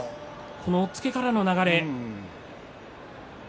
この押っつけからの流れ。